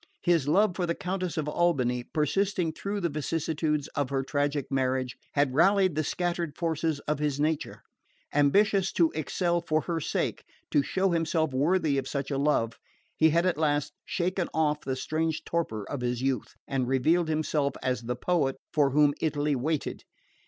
His love for the Countess of Albany, persisting through the vicissitudes of her tragic marriage, had rallied the scattered forces of his nature. Ambitious to excel for her sake, to show himself worthy of such a love, he had at last shaken off the strange torpor of his youth, and revealed himself as the poet for whom Italy waited.